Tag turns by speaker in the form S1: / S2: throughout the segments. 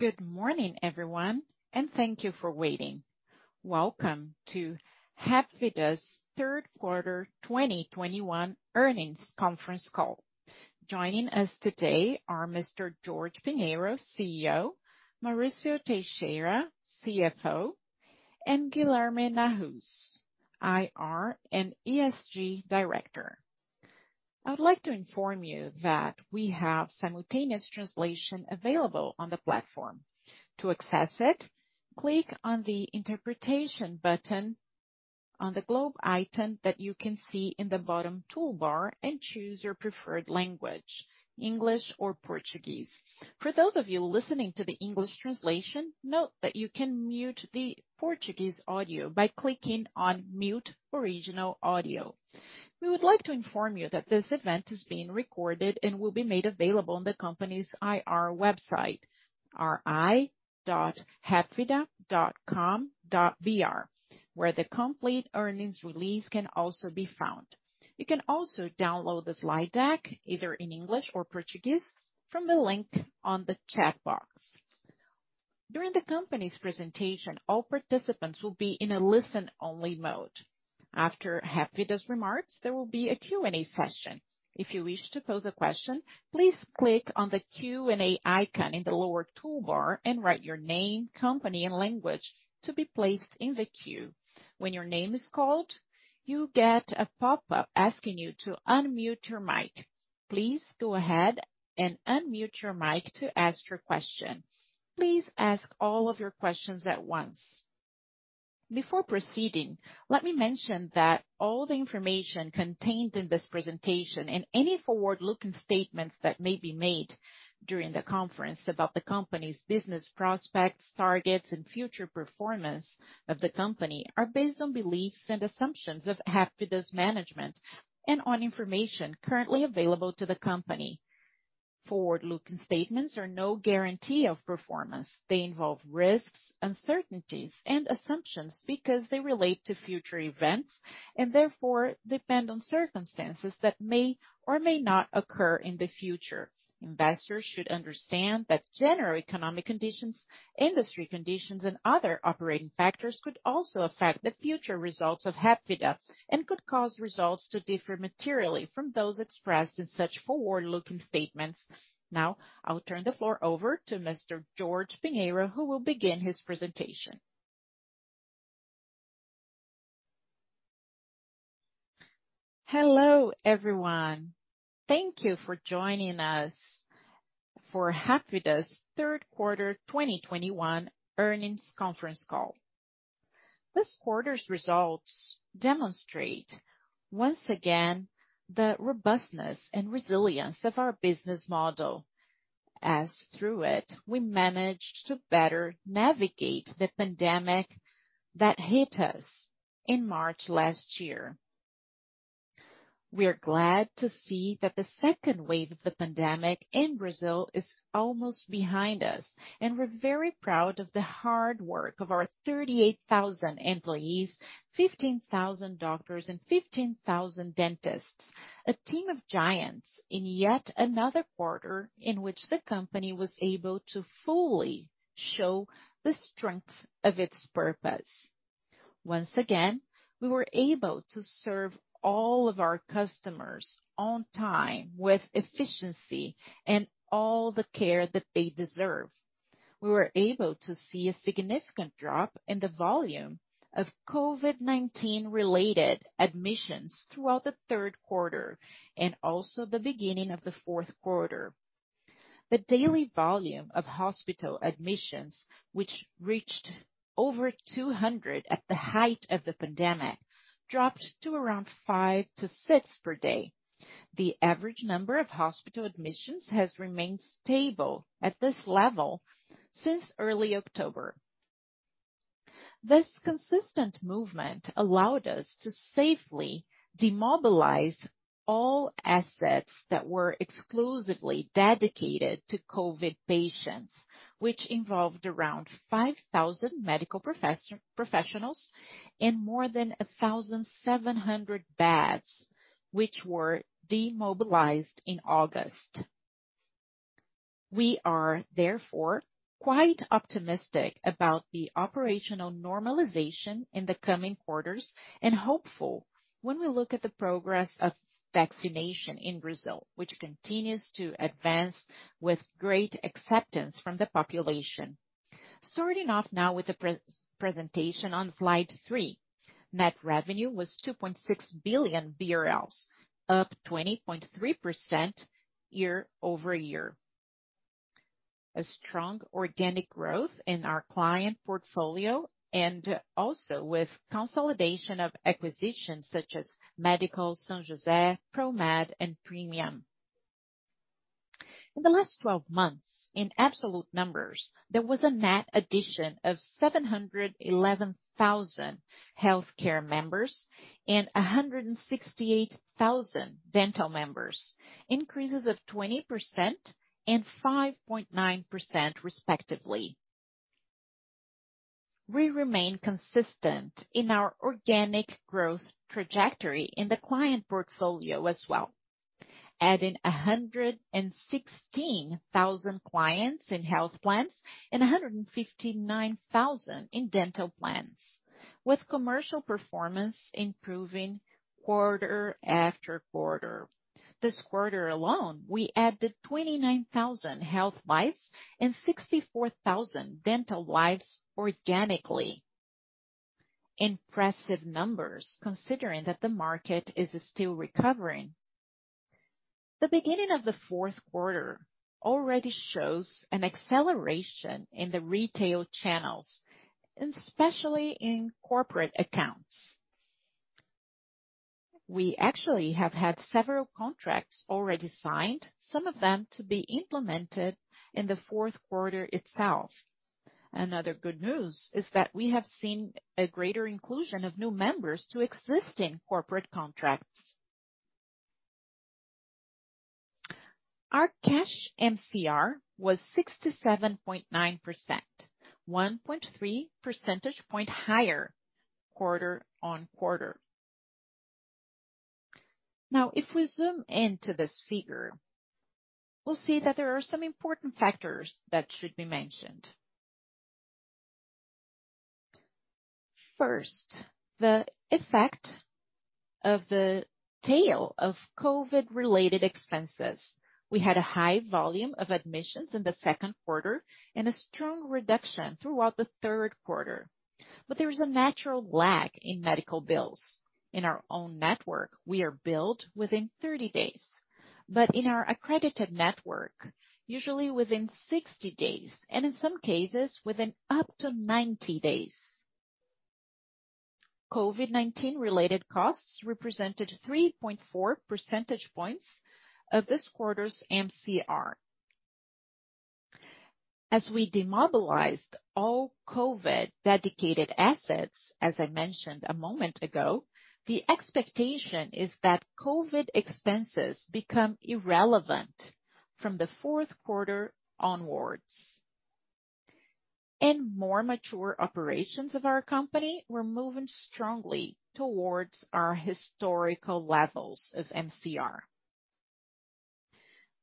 S1: Good morning, everyone, and thank you for waiting. Welcome to Hapvida's third quarter 2021 earnings conference call. Joining us today are Mr. Jorge Pinheiro, CEO, Maurício Teixeira, CFO, and Guilherme Nahuz, IR and ESG Director. I'd like to inform you that we have simultaneous translation available on the platform. To access it, click on the interpretation button on the globe item that you can see in the bottom toolbar and choose your preferred language, English or Portuguese. For those of you listening to the English translation, note that you can mute the Portuguese audio by clicking on Mute Original Audio. We would like to inform you that this event is being recorded and will be made available on the company's IR website, ri.hapvida.com.br, where the complete earnings release can also be found. You can also download the slide deck either in English or Portuguese from the link on the chat box. During the company's presentation, all participants will be in a listen-only mode. After Hapvida's remarks, there will be a Q&A session. If you wish to pose a question, please click on the Q&A icon in the lower toolbar and write your name, company, and language to be placed in the queue. When your name is called, you get a pop-up asking you to unmute your mic. Please go ahead and unmute your mic to ask your question. Please ask all of your questions at once. Before proceeding, let me mention that all the information contained in this presentation and any forward-looking statements that may be made during the conference about the company's business prospects, targets, and future performance of the company are based on beliefs and assumptions of Hapvida's management and on information currently available to the company. Forward-looking statements are no guarantee of performance. They involve risks, uncertainties and assumptions because they relate to future events and therefore depend on circumstances that may or may not occur in the future. Investors should understand that general economic conditions, industry conditions, and other operating factors could also affect the future results of Hapvida and could cause results to differ materially from those expressed in such forward-looking statements. Now, I will turn the floor over to Mr. Jorge Pinheiro, who will begin his presentation.
S2: Hello, everyone. Thank you for joining us for Hapvida's third quarter 2021 earnings conference call. This quarter's results demonstrate once again the robustness and resilience of our business model as through it we managed to better navigate the pandemic that hit us in March last year. We are glad to see that the second wave of the pandemic in Brazil is almost behind us, and we're very proud of the hard work of our 38,000 employees, 15,000 doctors and 15,000 dentists. A team of giants in yet another quarter in which the company was able to fully show the strength of its purpose. Once again, we were able to serve all of our customers on time with efficiency and all the care that they deserve. We were able to see a significant drop in the volume of COVID-19 related admissions throughout the third quarter and also the beginning of the fourth quarter. The daily volume of hospital admissions, which reached over 200 at the height of the pandemic, dropped to around five to six per day. The average number of hospital admissions has remained stable at this level since early October. This consistent movement allowed us to safely demobilize all assets that were exclusively dedicated to COVID patients, which involved around 5,000 medical professionals and more than 1,700 beds, which were demobilized in August. We are therefore quite optimistic about the operational normalization in the coming quarters and hopeful when we look at the progress of vaccination in Brazil, which continues to advance with great acceptance from the population. Starting off now with the presentation on slide three. Net revenue was 2.6 billion BRL, up 20.3% year-over-year. A strong organic growth in our client portfolio and also with consolidation of acquisitions such as Medical São José, Promed, and Premium. In the last twelve months, in absolute numbers, there was a net addition of 711,000 healthcare members and 168,000 dental members. Increases of 20% and 5.9% respectively. We remain consistent in our organic growth trajectory in the client portfolio as well, adding 116,000 clients in health plans and 159,000 in dental plans, with commercial performance improving quarter after quarter. This quarter alone, we added 29,000 health lives and 64,000 dental lives organically. Impressive numbers considering that the market is still recovering. The beginning of the fourth quarter already shows an acceleration in the retail channels, especially in corporate accounts. We actually have had several contracts already signed, some of them to be implemented in the fourth quarter itself. Another good news is that we have seen a greater inclusion of new members to existing corporate contracts. Our cash MCR was 67.9%, 1.3 percentage points higher quarter-on-quarter. Now, if we zoom in to this figure, we'll see that there are some important factors that should be mentioned. First, the effect of the tail of COVID-related expenses. We had a high volume of admissions in the second quarter and a strong reduction throughout the third quarter. But there is a natural lag in medical bills. In our own network, we are billed within 30 days, but in our accredited network, usually within 60 days, and in some cases within up to 90 days. COVID-19-related costs represented 3.4 percentage points of this quarter's MCR. As we demobilized all COVID dedicated assets, as I mentioned a moment ago, the expectation is that COVID expenses become irrelevant from the fourth quarter onwards. In more mature operations of our company, we're moving strongly towards our historical levels of MCR.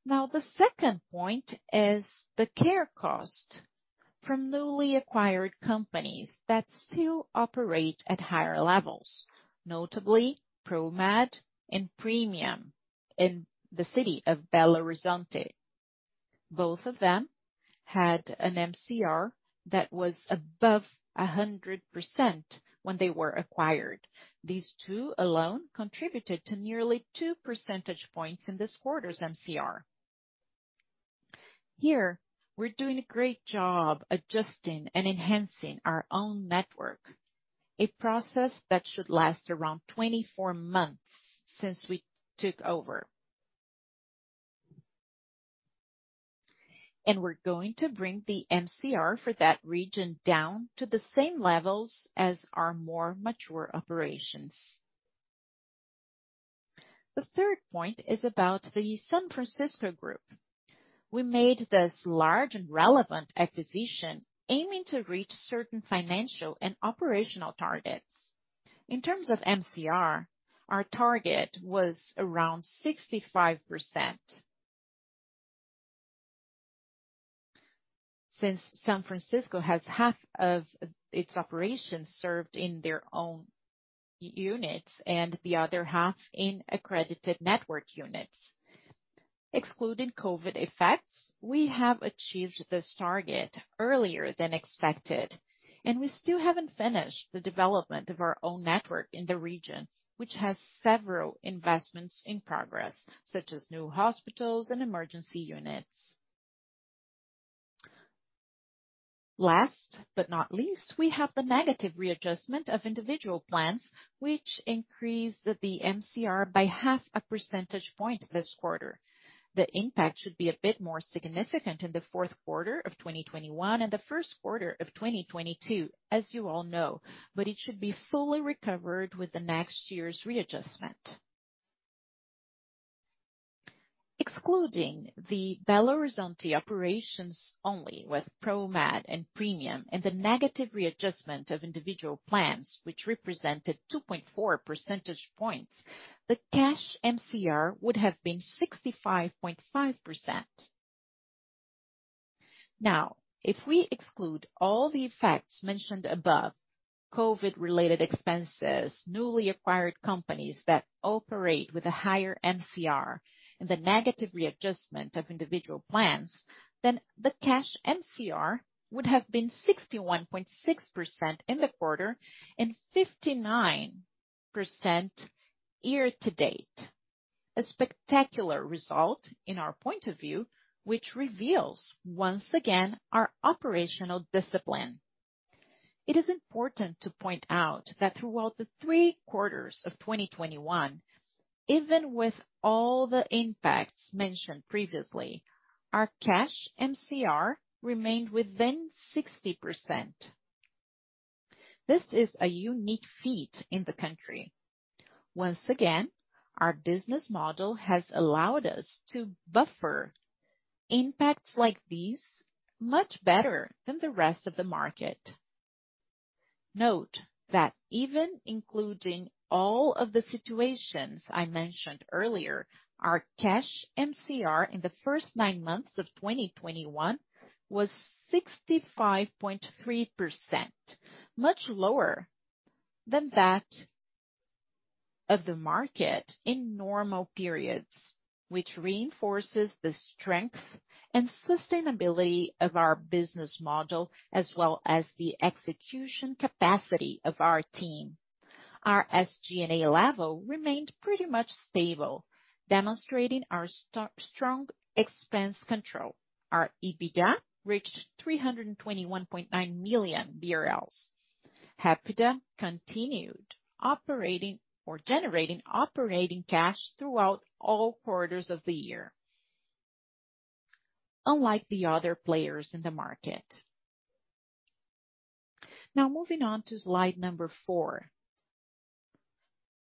S2: Now, the second point is the care cost from newly acquired companies that still operate at higher levels, notably Promed and Premium in the city of Belo Horizonte. Both of them had an MCR that was above 100% when they were acquired. These two alone contributed to nearly 2 percentage points in this quarter's MCR. Here, we're doing a great job adjusting and enhancing our own network, a process that should last around 24 months since we took over. We're going to bring the MCR for that region down to the same levels as our more mature operations. The third point is about the Grupo São Francisco. We made this large and relevant acquisition aiming to reach certain financial and operational targets. In terms of MCR, our target was around 65%, since Grupo São Francisco has half of its operations served in their own units and the other half in accredited network units. Excluding COVID effects, we have achieved this target earlier than expected, and we still haven't finished the development of our own network in the region, which has several investments in progress, such as new hospitals and emergency units. Last but not least, we have the negative readjustment of individual plans, which increased the MCR by 0.5 percentage point this quarter. The impact should be a bit more significant in the fourth quarter of 2021 and the first quarter of 2022, as you all know, but it should be fully recovered with the next year's readjustment. Excluding the Belo Horizonte operations only with Promed and Premium and the negative readjustment of individual plans, which represented 2.4 percentage points, the cash MCR would have been 65.5%. Now, if we exclude all the effects mentioned above, COVID-related expenses, newly acquired companies that operate with a higher MCR, and the negative readjustment of individual plans, then the cash MCR would have been 61.6% in the quarter and 59% year-to-date. A spectacular result in our point of view, which reveals, once again, our operational discipline. It is important to point out that throughout the three quarters of 2021, even with all the impacts mentioned previously, our cash MCR remained within 60%. This is a unique feat in the country. Once again, our business model has allowed us to buffer impacts like these much better than the rest of the market. Note that even including all of the situations I mentioned earlier, our cash MCR in the first nine months of 2021 was 65.3%, much lower than that of the market in normal periods, which reinforces the strength and sustainability of our business model as well as the execution capacity of our team. Our SG&A level remained pretty much stable, demonstrating our strong expense control. Our EBITDA reached 321.9 million BRL. Hapvida continued operating or generating operating cash throughout all quarters of the year, unlike the other players in the market. Now, moving on to slide number four.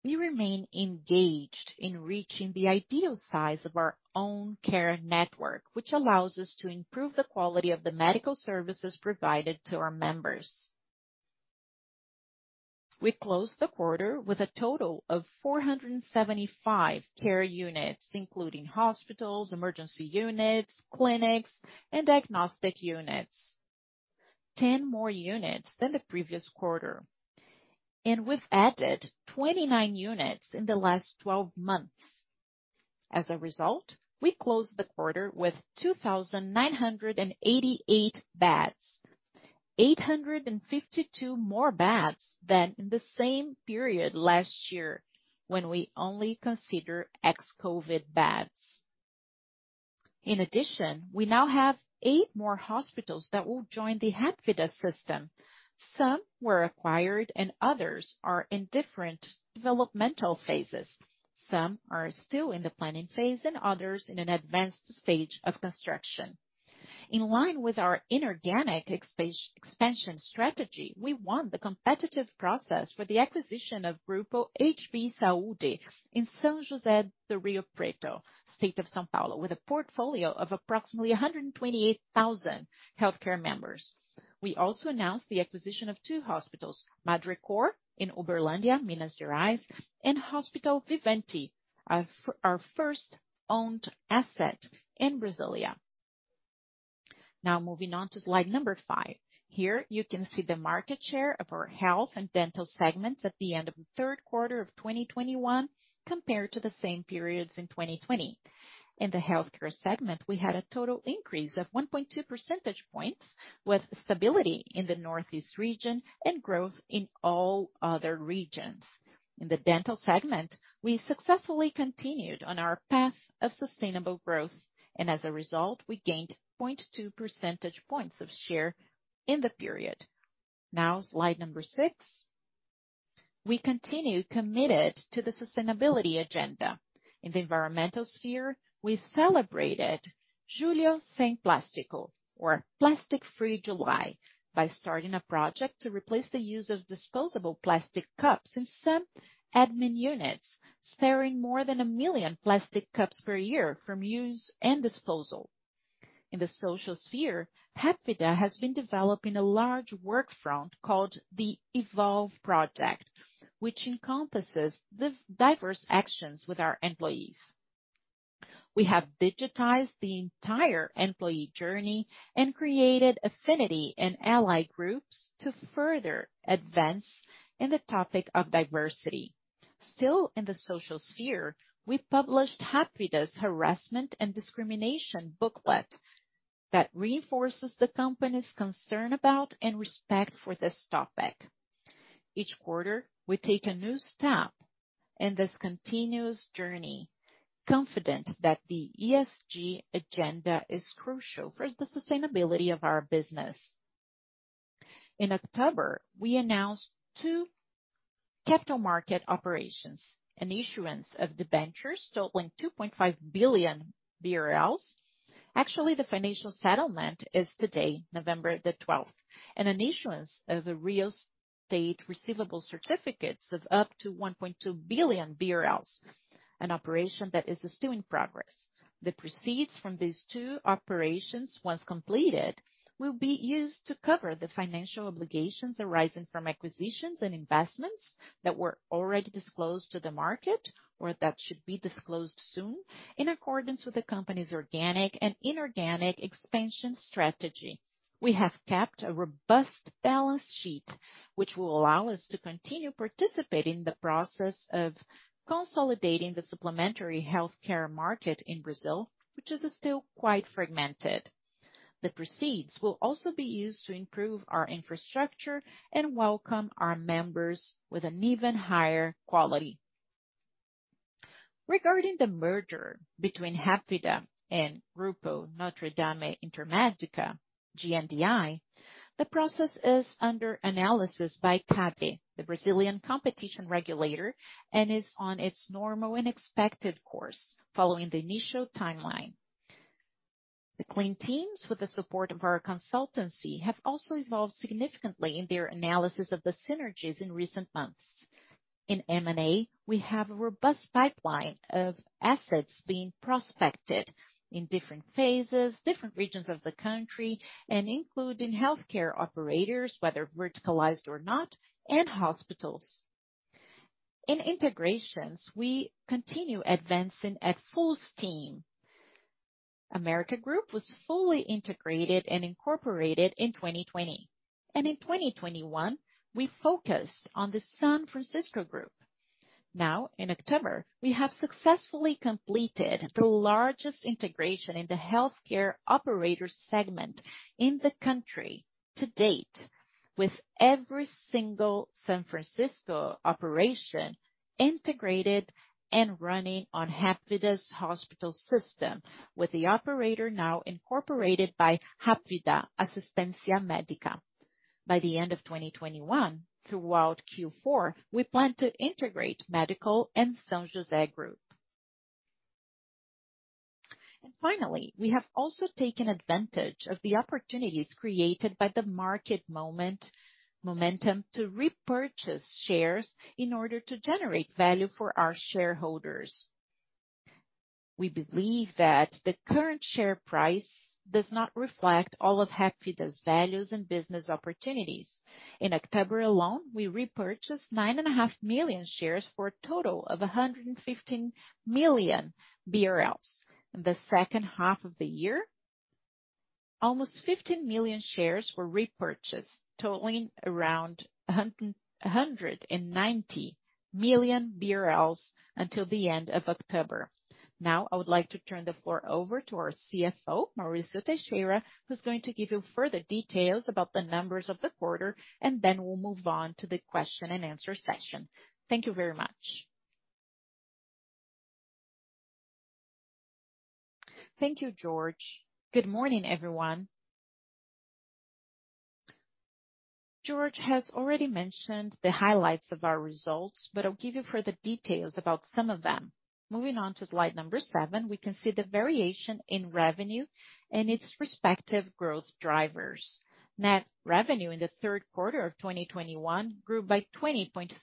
S2: We remain engaged in reaching the ideal size of our own care network, which allows us to improve the quality of the medical services provided to our members. We closed the quarter with a total of 475 care units, including hospitals, emergency units, clinics, and diagnostic units. 10 more units than the previous quarter. We've added 29 units in the last twelve months. As a result, we closed the quarter with 2,988 beds, 852 more beds than in the same period last year, when we only consider ex-COVID beds. In addition, we now have eight more hospitals that will join the Hapvida system. Some were acquired and others are in different developmental phases. Some are still in the planning phase and others in an advanced stage of construction. In line with our inorganic expansion strategy, we won the competitive process for the acquisition of Grupo HB Saúde in São José do Rio Preto, state of São Paulo, with a portfolio of approximately 128,000 healthcare members. We also announced the acquisition of two hospitals, Hospital Madrecor in Uberlândia, Minas Gerais, and Hospital Viventi, our first owned asset in Brasília. Now moving on to slide number five. Here you can see the market share of our health and dental segments at the end of the third quarter of 2021 compared to the same periods in 2020. In the healthcare segment, we had a total increase of 1.2 percentage points, with stability in the Northeast region and growth in all other regions. In the dental segment, we successfully continued on our path of sustainable growth, and as a result, we gained 0.2 percentage points of share in the period. Now slide number six. We continue committed to the sustainability agenda. In the environmental sphere, we celebrated Julho Sem Plástico, or Plastic Free July, by starting a project to replace the use of disposable plastic cups in some admin units, sparing more than 1 million plastic cups per year from use and disposal. In the social sphere, Hapvida has been developing a large work front called the Evolve Project, which encompasses the diverse actions with our employees. We have digitized the entire employee journey and created affinity and ally groups to further advance in the topic of diversity. Still in the social sphere, we published Hapvida's Harassment and Discrimination booklet that reinforces the company's concern about and respect for this topic. Each quarter, we take a new step in this continuous journey, confident that the ESG agenda is crucial for the sustainability of our business. In October, we announced two capital market operations, an issuance of debentures totaling 2.5 billion BRL. Actually, the financial settlement is today, November 12. An issuance of real estate receivable certificates of up to 1.2 billion BRL, an operation that is still in progress. The proceeds from these two operations, once completed, will be used to cover the financial obligations arising from acquisitions and investments that were already disclosed to the market or that should be disclosed soon in accordance with the company's organic and inorganic expansion strategy. We have kept a robust balance sheet, which will allow us to continue participating in the process of consolidating the supplementary healthcare market in Brazil, which is still quite fragmented. The proceeds will also be used to improve our infrastructure and welcome our members with an even higher quality. Regarding the merger between Hapvida and Grupo NotreDame Intermédica, GNDI, the process is under analysis by CADE, the Brazilian competition regulator, and is on its normal and expected course following the initial timeline. The clean teams with the support of our consultancy have also evolved significantly in their analysis of the synergies in recent months. In M&A, we have a robust pipeline of assets being prospected in different phases, different regions of the country, and including healthcare operators, whether verticalized or not, and hospitals. In integrations, we continue advancing at full steam. Grupo América was fully integrated and incorporated in 2020. In 2021, we focused on the Grupo São Francisco. Now, in October, we have successfully completed the largest integration in the healthcare operator segment in the country to date, with every single San Francisco operation integrated and running on Hapvida's hospital system, with the operator now incorporated by Hapvida Assistência Médica. By the end of 2021, throughout Q4, we plan to integrate Medical and Grupo São José. Finally, we have also taken advantage of the opportunities created by the market momentum to repurchase shares in order to generate value for our shareholders. We believe that the current share price does not reflect all of Hapvida's values and business opportunities. In October alone, we repurchased 9.5 million shares for a total of 115 million BRL. In the second half of the year, almost 15 million shares were repurchased, totaling around 190 million BRL until the end of October. Now, I would like to turn the floor over to our CFO, Maurício Teixeira, who's going to give you further details about the numbers of the quarter, and then we'll move on to the question-and-answer session. Thank you very much.
S3: Thank you, Jorge. Good morning, everyone. Jorge has already mentioned the highlights of our results, but I'll give you further details about some of them. Moving on to slide number seven, we can see the variation in revenue and its respective growth drivers. Net revenue in the third quarter of 2021 grew by 20.3%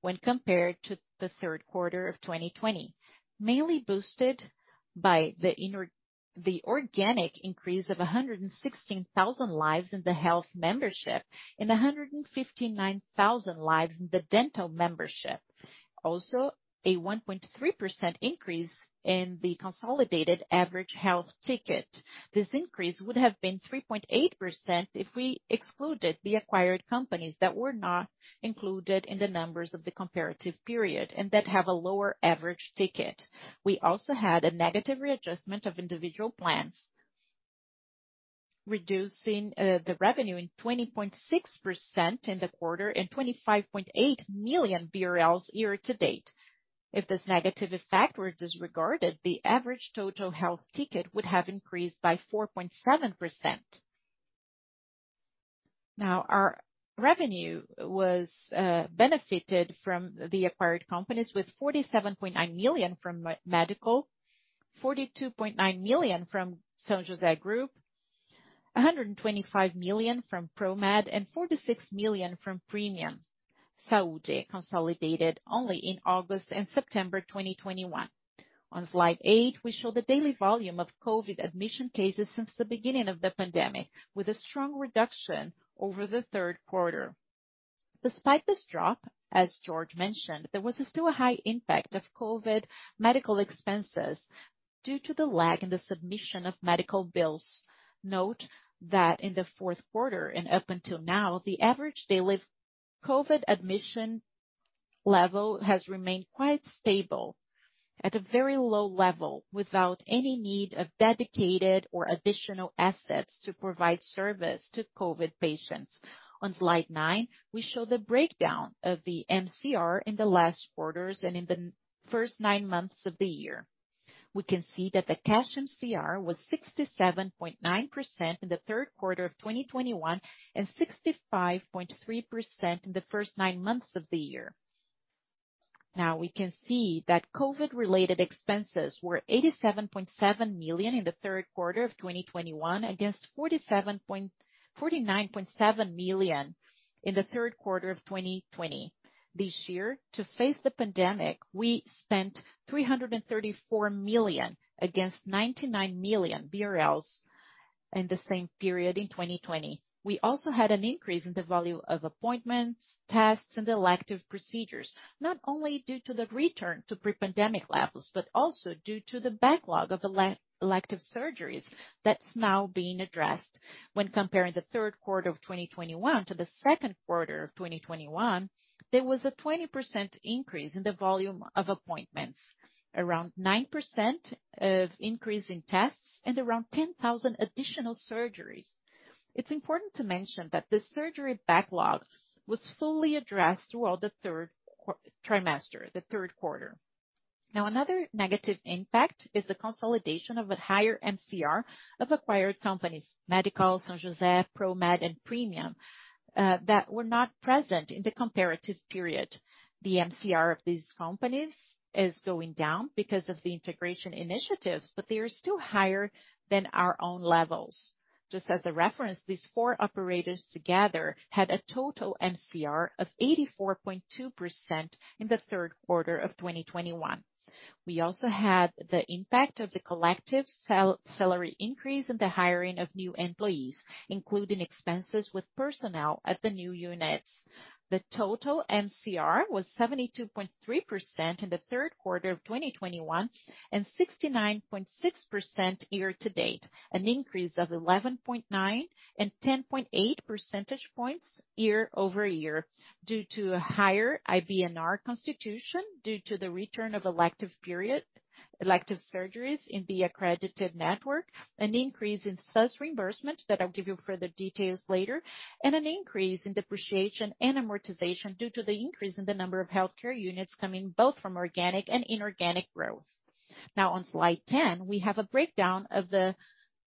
S3: when compared to the third quarter of 2020, mainly boosted by the organic increase of 116,000 lives in the health membership and 159,000 lives in the dental membership. Also, a 1.3% increase in the consolidated average health ticket. This increase would have been 3.8% if we excluded the acquired companies that were not included in the numbers of the comparative period and that have a lower average ticket. We also had a negative readjustment of individual plans, reducing the revenue in 20.6% in the quarter and 25.8 million BRL year-to-date. If this negative effect were disregarded, the average total health ticket would have increased by 4.7%. Now, our revenue was benefited from the acquired companies with 47.9 million from Medical, 42.9 million from Grupo São José, 125 million from Promed, and 46 million from Premium Saúde, consolidated only in August and September 2021. On slide eight, we show the daily volume of COVID admission cases since the beginning of the pandemic, with a strong reduction over the third quarter. Despite this drop, as Jorge mentioned, there was still a high impact of COVID medical expenses due to the lag in the submission of medical bills. Note that in the fourth quarter, and up until now, the average daily COVID admission level has remained quite stable at a very low level, without any need of dedicated or additional assets to provide service to COVID patients. On slide nine, we show the breakdown of the MCR in the last quarters and in the first nine months of the year. We can see that the cash MCR was 67.9% in the third quarter of 2021 and 65.3% in the first nine months of the year. Now, we can see that COVID-related expenses were 87.7 million in the third quarter of 2021 against 49.7 million in the third quarter of 2020. This year, to face the pandemic, we spent 334 million against 99 million BRL in the same period in 2020. We also had an increase in the volume of appointments, tests, and elective procedures, not only due to the return to pre-pandemic levels, but also due to the backlog of elective surgeries that's now being addressed. When comparing the third quarter of 2021 to the second quarter of 2021, there was a 20% increase in the volume of appointments, around 9% increase in tests, and around 10,000 additional surgeries. It's important to mention that the surgery backlog was fully addressed throughout the third quarter. Now, another negative impact is the consolidation of a higher MCR of acquired companies, Medical, São José, Promed, and Premium, that were not present in the comparative period. The MCR of these companies is going down because of the integration initiatives, but they are still higher than our own levels. Just as a reference, these four operators together had a total MCR of 84.2% in the third quarter of 2021. We also had the impact of the collective salary increase in the hiring of new employees, including expenses with personnel at the new units. The total MCR was 72.3% in the third quarter of 2021, and 69.6% year-to-date, an increase of 11.9 and 10.8 percentage points year-over-year, due to a higher IBNR constitution, due to the return of elective surgeries in the accredited network, an increase in SUS reimbursement that I'll give you further details later, and an increase in depreciation and amortization due to the increase in the number of healthcare units coming both from organic and inorganic growth. Now on slide 10, we have a breakdown of the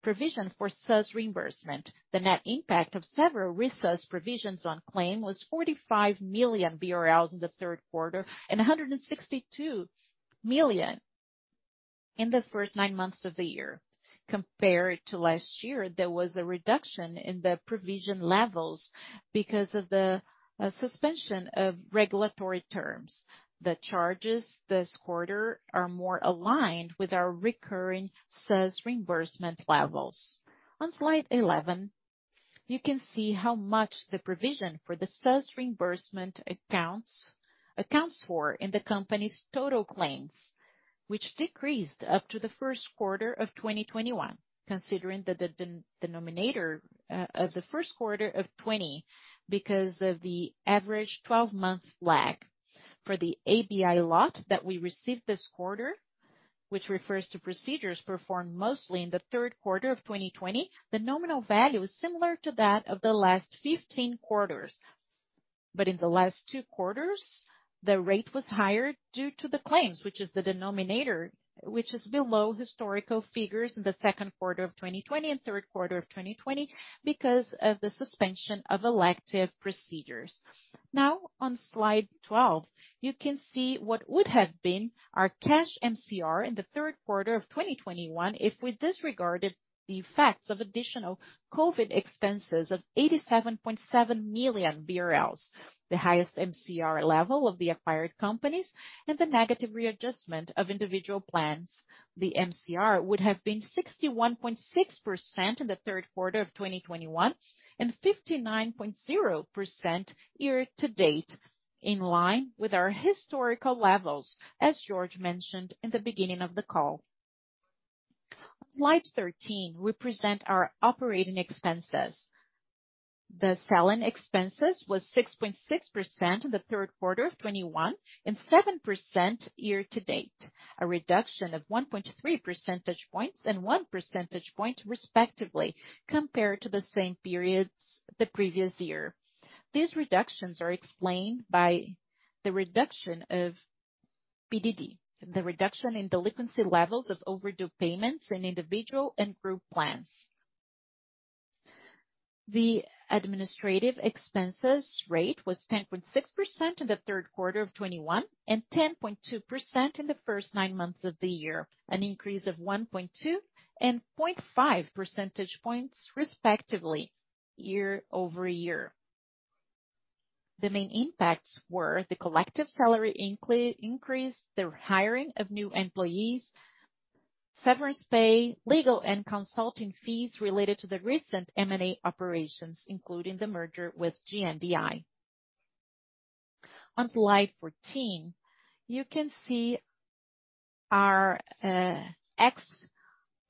S3: provision for SUS reimbursement. The net impact of several risk SUS provisions on claim was 45 million BRL in the third quarter, and 162 million in the first nine months of the year. Compared to last year, there was a reduction in the provision levels because of the suspension of regulatory terms. The charges this quarter are more aligned with our recurring SUS reimbursement levels. On slide 11, you can see how much the provision for the SUS reimbursement accounts for in the company's total claims, which decreased up to the first quarter of 2021, considering that the denominator of the first quarter of 2020, because of the average 12-month lag. For the ABI lot that we received this quarter, which refers to procedures performed mostly in the third quarter of 2020, the nominal value is similar to that of the last 15 quarters. But in the last two quarters, the rate was higher due to the claims, which is the denominator, which is below historical figures in the second quarter of 2020 and third quarter of 2020 because of the suspension of elective procedures. Now on slide 12, you can see what would have been our cash MCR in the third quarter of 2021 if we disregarded the effects of additional COVID expenses of 87.7 million BRL, the highest MCR level of the acquired companies, and the negative readjustment of individual plans. The MCR would have been 61.6% in the third quarter of 2021 and 59.0% year-to-date, in line with our historical levels, as Jorge mentioned in the beginning of the call. Slide 13, we present our operating expenses. The selling expenses was 6.6% in the third quarter of 2021, and 7% year-to-date. A reduction of 1.3 percentage points and 1 percentage point respectively, compared to the same periods the previous year. These reductions are explained by the reduction of PDD, the reduction in delinquency levels of overdue payments in individual and group plans. The administrative expenses rate was 10.6% in the third quarter of 2021, and 10.2% in the first nine months of the year, an increase of 1.2 and 0.5 percentage points respectively year-over-year. The main impacts were the collective salary increase, the hiring of new employees, severance pay, legal and consulting fees related to the recent M&A operations, including the merger with GNDI. On slide 14, you can see our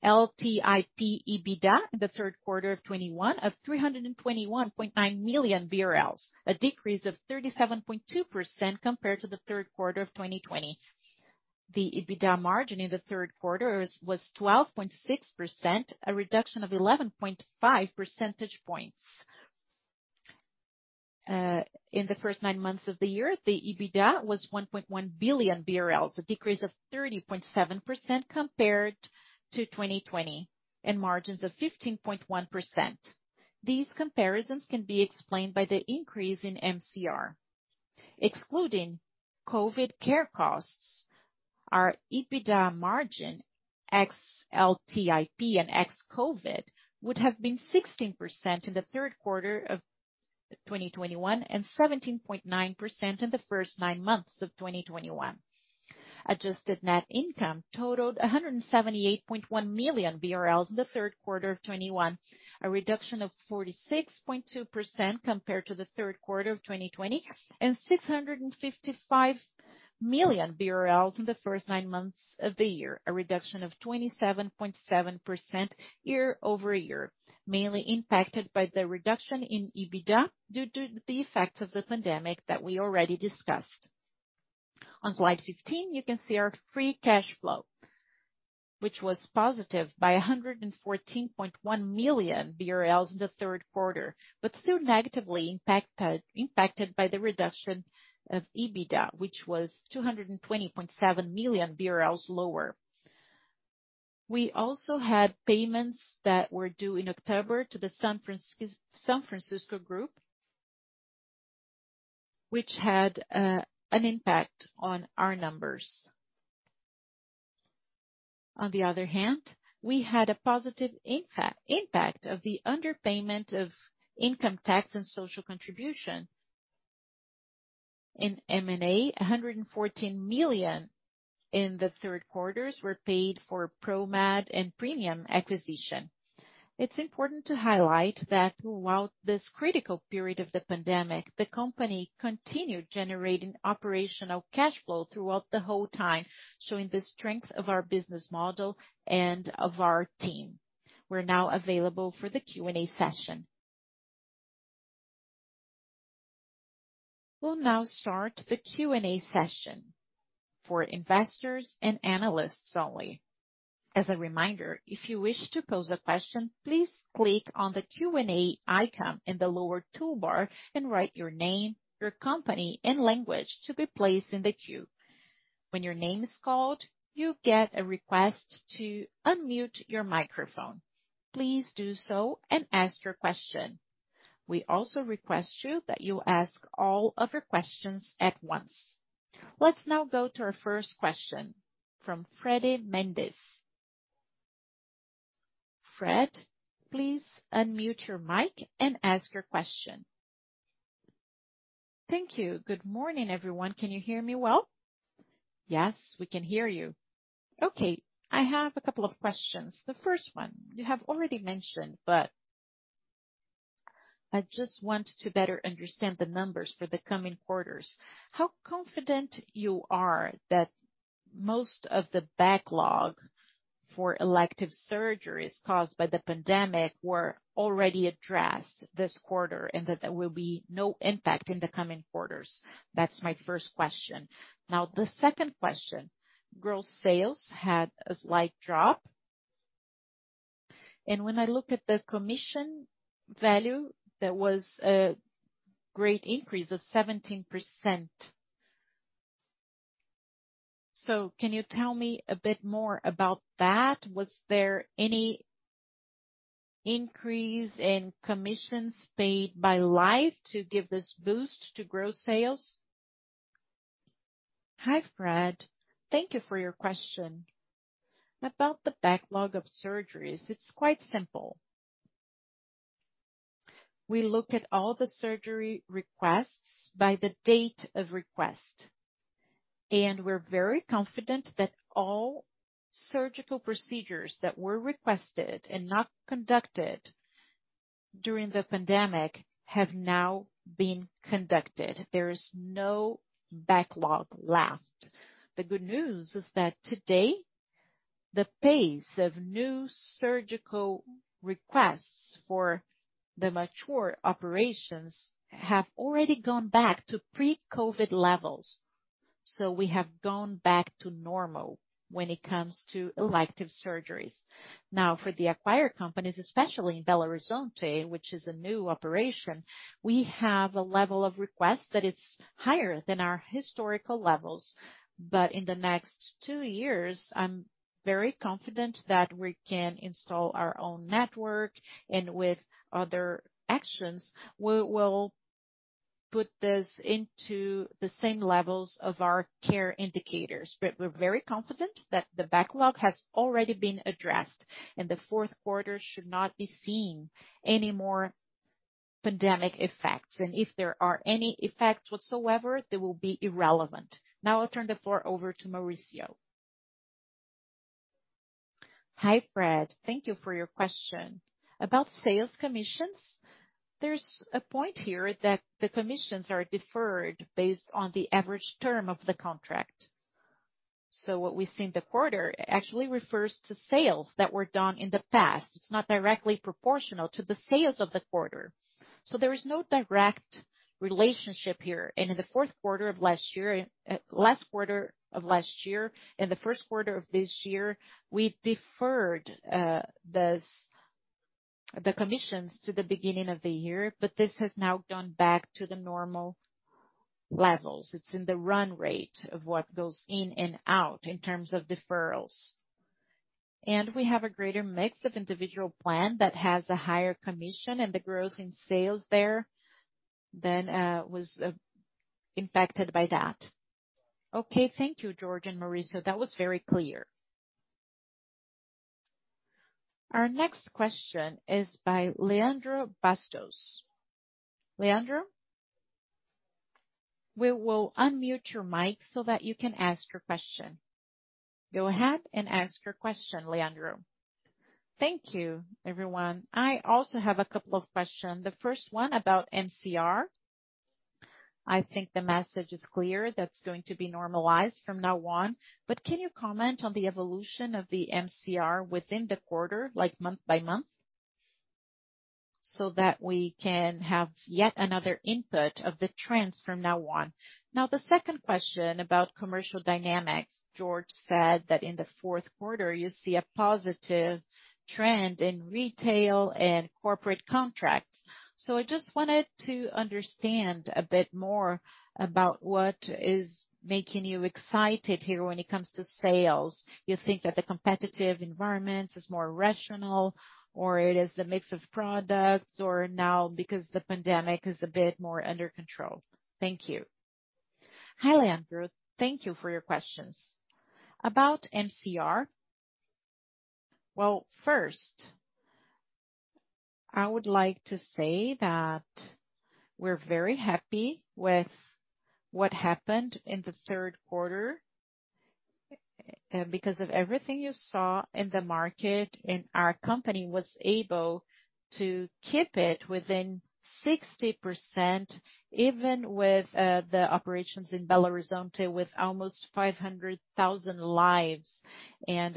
S3: ex-LTIP EBITDA in the third quarter of 2021 of 321.9 million BRL, a decrease of 37.2% compared to the third quarter of 2020. The EBITDA margin in the third quarter was 12.6%, a reduction of 11.5 percentage points. In the first nine months of the year, the EBITDA was 1.1 billion BRL, a decrease of 30.7% compared to 2020, and margins of 15.1%. These comparisons can be explained by the increase in MCR. Excluding COVID care costs, our EBITDA margin, ex-LTIP and ex-COVID, would have been 16% in the third quarter of 2021 and 17.9% in the first nine months of 2021. Adjusted net income totaled 178.1 million in the third quarter of 2021, a reduction of 46.2% compared to the third quarter of 2020, and 655 million BRL in the first nine months of the year, a reduction of 27.7% year-over-year, mainly impacted by the reduction in EBITDA due to the effects of the pandemic that we already discussed. On slide 15, you can see our free cash flow, which was positive by 114.1 million BRL in the third quarter, but still negatively impacted by the reduction of EBITDA, which was 220.7 million BRL lower. We also had payments that were due in October to the São Francisco group, which had an impact on our numbers. On the other hand, we had a positive impact of the underpayment of income tax and social contribution. In M&A, 114 million in the third quarter were paid for Promed and Premium acquisition. It's important to highlight that while this critical period of the pandemic, the company continued generating operational cash flow throughout the whole time, showing the strength of our business model and of our team. We're now available for the Q&A session.
S1: We'll now start the Q&A session for investors and analysts only. As a reminder, if you wish to pose a question, please click on the Q&A icon in the lower toolbar and write your name, your company and language to be placed in the queue. When your name is called, you get a request to unmute your microphone. Please do so and ask your question. We also request that you ask all of your questions at once. Let's now go to our first question from Fred Mendes. Fred, please unmute your mic and ask your question.
S4: Thank you. Good morning, everyone. Can you hear me well?
S1: Yes, we can hear you.
S4: Okay. I have a couple of questions. The first one you have already mentioned, but I just want to better understand the numbers for the coming quarters. How confident you are that most of the backlog for elective surgeries caused by the pandemic were already addressed this quarter, and that there will be no impact in the coming quarters? That's my first question. Now, the second question. Gross sales had a slight drop, and when I look at the commission value, there was a great increase of 17%. So can you tell me a bit more about that? Was there any increase in commissions paid by Life to give this boost to gross sales?
S2: Hi, Fred. Thank you for your question. About the backlog of surgeries, it's quite simple. We look at all the surgery requests by the date of request, and we're very confident that all surgical procedures that were requested and not conducted during the pandemic have now been conducted. There is no backlog left. The good news is that today, the pace of new surgical requests for the mature operations have already gone back to pre-COVID levels. We have gone back to normal when it comes to elective surgeries. Now, for the acquired companies, especially in Belo Horizonte, which is a new operation, we have a level of request that is higher than our historical levels. But In the next two years, I'm very confident that we can install our own network, and with other actions, we will put this into the same levels of our care indicators. We're very confident that the backlog has already been addressed, and the fourth quarter should not be seeing any more pandemic effects. If there are any effects whatsoever, they will be irrelevant. Now, I'll turn the floor over to Maurício.
S3: Hi, Fred. Thank you for your question. About sales commissions, there's a point here that the commissions are deferred based on the average term of the contract. What we see in the quarter actually refers to sales that were done in the past. It's not directly proportional to the sales of the quarter. There is no direct relationship here. In the fourth quarter of last year and the first quarter of this year, we deferred the commissions to the beginning of the year, but this has now gone back to the normal levels. It's in the run rate of what goes in and out in terms of deferrals. We have a greater mix of individual plan that has a higher commission and the growth in sales there than was impacted by that.
S4: Okay. Thank you, Jorge and Maurício. That was very clear.
S1: Our next question is by Leandro Bastos. Leandro, we will unmute your mic so that you can ask your question. Go ahead and ask your question, Leandro.
S5: Thank you, everyone. I also have a couple of questions. The first one about MCR. I think the message is clear, that's going to be normalized from now on. But can you comment on the evolution of the MCR within the quarter, like month by month, so that we can have yet another input of the trends from now on? Now, the second question about commercial dynamics. Jorge said that in the fourth quarter you see a positive trend in retail and corporate contracts. I just wanted to understand a bit more about what is making you excited here when it comes to sales. You think that the competitive environment is more rational, or it is the mix of products, or now because the pandemic is a bit more under control? Thank you.
S2: Hi, Leandro. Thank you for your questions. About MCR. Well, first, I would like to say that we're very happy with what happened in the third quarter. Because of everything you saw in the market, and our company was able to keep it within 60%, even with the operations in Belo Horizonte, with almost 500,000 lives and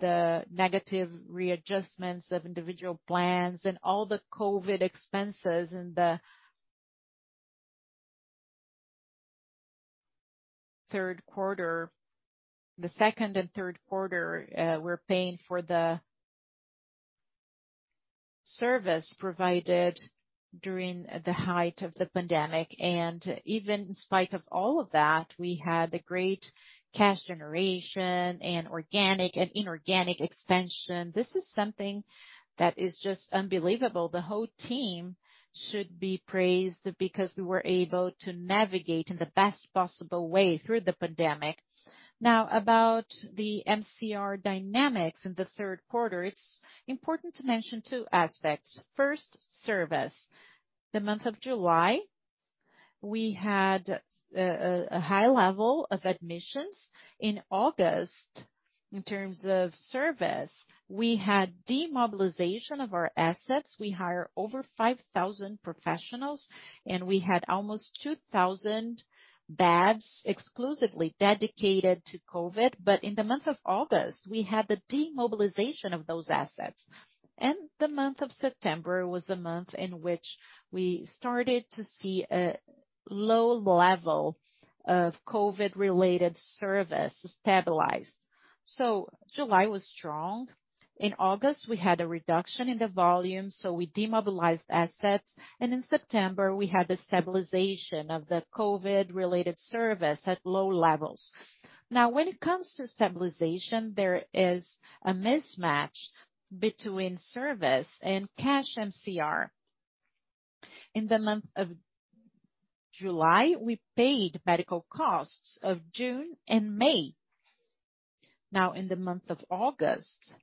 S2: the negative readjustments of individual plans and all the COVID expenses in the second and third quarter, we're paying for the service provided during the height of the pandemic, and even in spite of all of that, we had a great cash generation and organic and inorganic expansion. This is something that is just unbelievable. The whole team should be praised because we were able to navigate in the best possible way through the pandemic. Now, about the MCR dynamics in the third quarter, it's important to mention two aspects. First, service. The month of July, we had a high level of admissions. In August, in terms of service, we had demobilization of our assets. We hire over 5,000 professionals, and we had almost 2,000 beds exclusively dedicated to COVID. In the month of August, we had the demobilization of those assets. The month of September was the month in which we started to see a low level of COVID-related service stabilize. July was strong. In August, we had a reduction in the volume, so we demobilized assets, and in September we had the stabilization of the COVID-related service at low levels. Now, when it comes to stabilization, there is a mismatch between service and cash MCR. In the month of July, we paid medical costs of June and May. Now, in the month of August,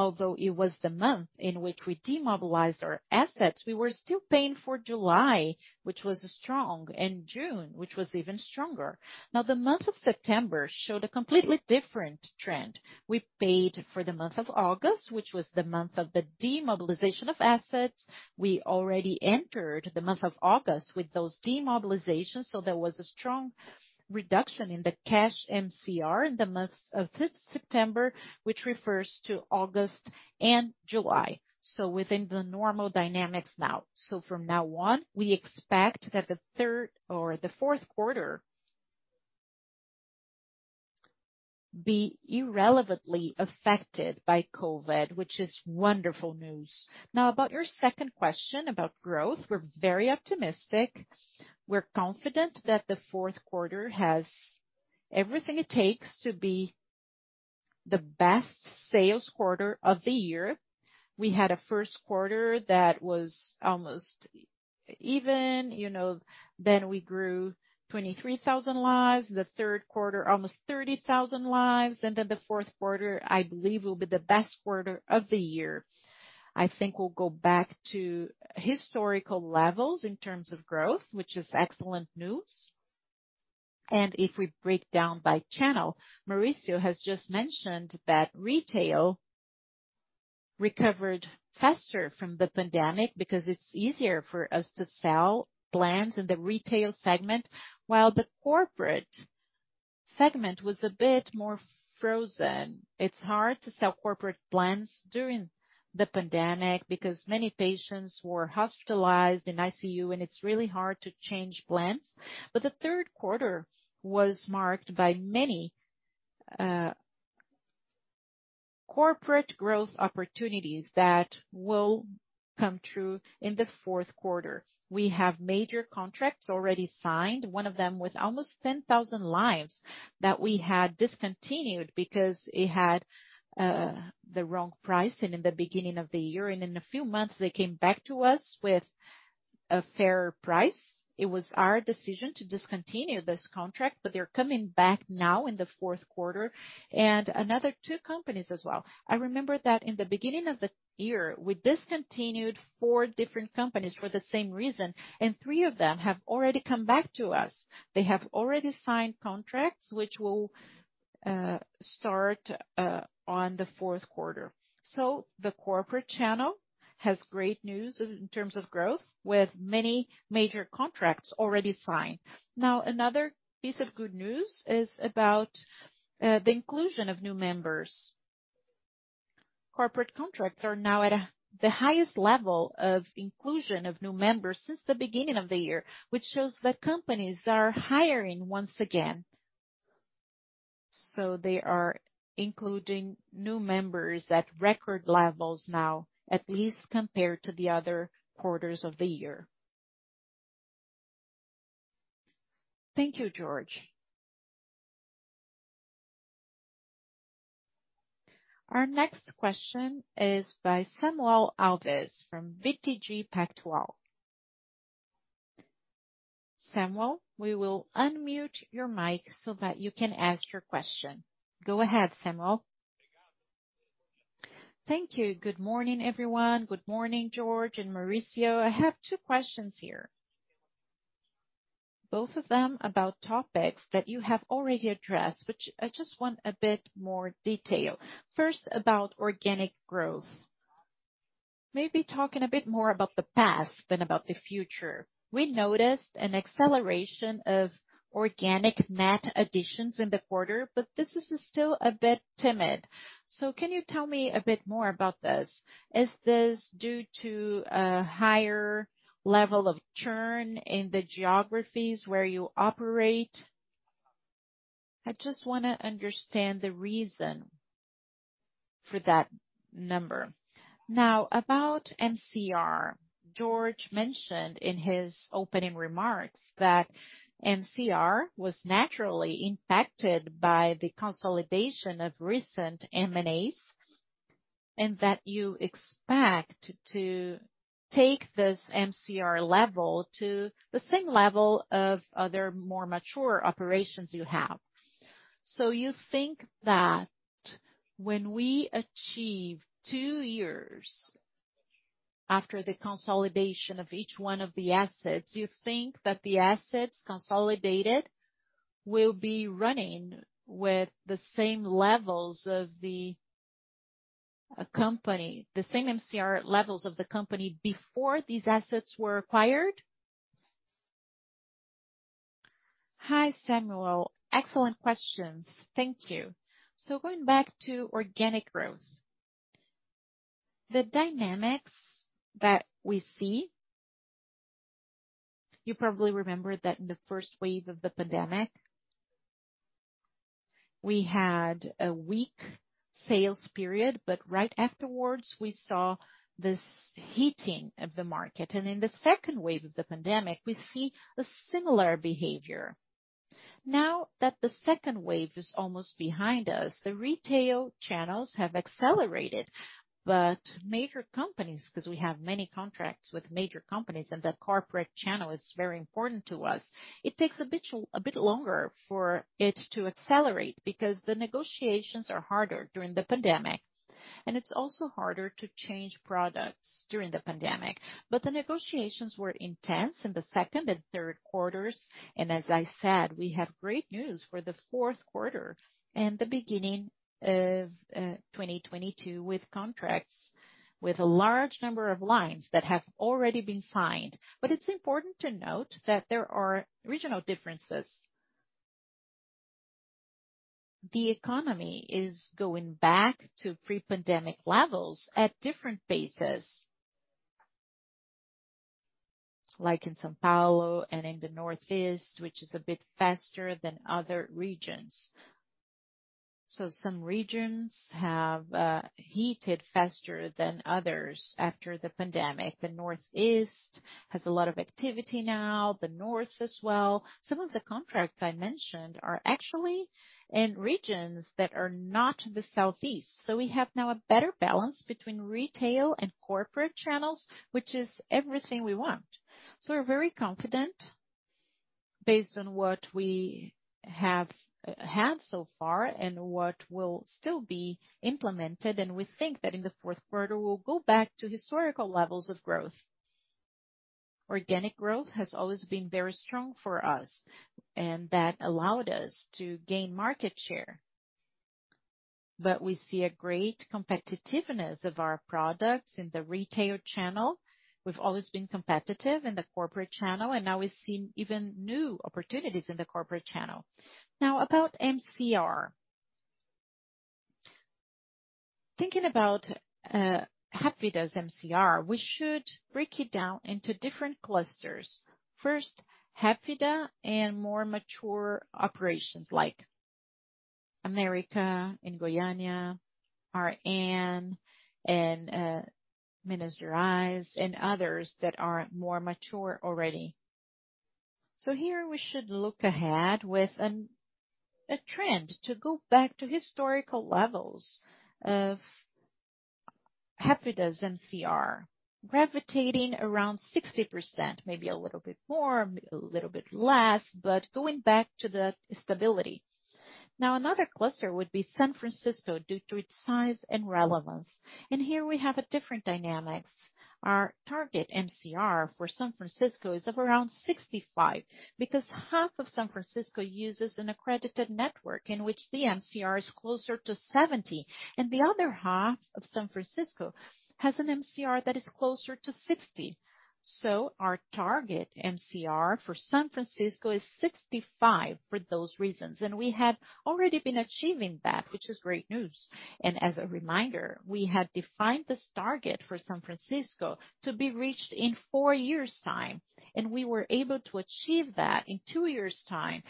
S2: although it was the month in which we demobilized our assets, we were still paying for July, which was strong, and June, which was even stronger. Now, the month of September showed a completely different trend. We paid for the month of August, which was the month of the demobilization of assets. We already entered the month of August with those demobilizations, so there was a strong reduction in the cash MCR in the month of this September, which refers to August and July. Within the normal dynamics now. From now on, we expect that the third or the fourth quarter be irrelevantly affected by COVID, which is wonderful news. Now, about your second question about growth, we're very optimistic. We're confident that the fourth quarter has everything it takes to be the best sales quarter of the year. We had a first quarter that was almost even, you know. Then, we grew 23,000 lives. The third quarter, almost 30,000 lives. The fourth quarter, I believe, will be the best quarter of the year. I think we'll go back to historical levels in terms of growth, which is excellent news. If we break down by channel, Maurício has just mentioned that retail recovered faster from the pandemic because it's easier for us to sell plans in the retail segment, while the corporate segment was a bit more frozen. It's hard to sell corporate plans during the pandemic because many patients were hospitalized in ICU, and it's really hard to change plans. The third quarter was marked by many corporate growth opportunities that will come through in the fourth quarter. We have major contracts already signed, one of them with almost 10,000 lives that we had discontinued because it had the wrong price and in the beginning of the year. In a few months they came back to us with a fairer price. It was our decision to discontinue this contract, but they're coming back now in the fourth quarter. Another two companies as well. I remember that in the beginning of the year, we discontinued four different companies for the same reason, and three of them have already come back to us. They have already signed contracts which will start on the fourth quarter. The corporate channel has great news in terms of growth, with many major contracts already signed. Now, another piece of good news is about the inclusion of new members. Corporate contracts are now at the highest level of inclusion of new members since the beginning of the year, which shows that companies are hiring once again. So they are including new members at record levels now, at least compared to the other quarters of the year.
S5: Thank you, Jorge.
S1: Our next question is by Samuel Alves from BTG Pactual. Samuel, we will unmute your mic so that you can ask your question. Go ahead, Samuel.
S6: Thank you. Good morning, everyone. Good morning, Jorge and Maurício. I have two questions here, both of them about topics that you have already addressed, which I just want a bit more detail. First, about organic growth. Maybe talking a bit more about the past than about the future. We noticed an acceleration of organic net additions in the quarter, but this is still a bit timid. Can you tell me a bit more about this? Is this due to a higher level of churn in the geographies where you operate? I just wanna understand the reason for that number. Now, about MCR. Jorge mentioned in his opening remarks that MCR was naturally impacted by the consolidation of recent M&As, and that you expect to take this MCR level to the same level of other more mature operations you have. So you think that when we achieve two years after the consolidation of each one of the assets, you think that the assets consolidated will be running with the same levels of the company, the same MCR levels of the company before these assets were acquired?
S2: Hi, Samuel. Excellent questions. Thank you. Going back to organic growth, the dynamics that we see, you probably remember that in the first wave of the pandemic, we had a weak sales period, but right afterwards, we saw this heating of the market. In the second wave of the pandemic, we see a similar behavior. Now that the second wave is almost behind us, the retail channels have accelerated, but major companies, because we have many contracts with major companies, and that corporate channel is very important to us, it takes a bit longer for it to accelerate because the negotiations are harder during the pandemic, and it's also harder to change products during the pandemic. The negotiations were intense in the second and third quarters, and as I said, we have great news for the fourth quarter and the beginning of 2022, with contracts with a large number of lines that have already been signed. It's important to note that there are regional differences. The economy is going back to pre-pandemic levels at different paces. Like in São Paulo and in the Northeast, which is a bit faster than other regions. Some regions have heated faster than others after the pandemic. The Northeast has a lot of activity now, the North as well. Some of the contracts I mentioned are actually in regions that are not the Southeast. We have now a better balance between retail and corporate channels, which is everything we want. We're very confident based on what we have had so far and what will still be implemented, and we think that in the fourth quarter, we'll go back to historical levels of growth. Organic growth has always been very strong for us, and that allowed us to gain market share, but we see a great competitiveness of our products in the retail channel. We've always been competitive in the corporate channel, and now we're seeing even new opportunities in the corporate channel. Now, about MCR. Thinking about Hapvida's MCR, we should break it down into different clusters. First, Hapvida and more mature operations like América in Goiânia, R.N., and Minas Gerais, and others that are more mature already. Here we should look ahead with a trend to go back to historical levels of Hapvida's MCR gravitating around 60%, maybe a little bit more, maybe a little bit less, but going back to the stability. Now, another cluster would be São Francisco due to its size and relevance. Here we have a different dynamics. Our target MCR for São Francisco is of around 65 because half of São Francisco uses an accredited network in which the MCR is closer to 70, and the other half of São Francisco has an MCR that is closer to 60. Our target MCR for São Francisco is 65 for those reasons. We had already been achieving that, which is great news. As a reminder, we had defined this target for São Francisco to be reached in four years' time, and we were able to achieve that in two years' time,